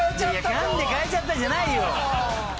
「なんで変えちゃった」じゃないよ。